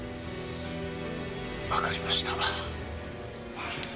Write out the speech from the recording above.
わかりました。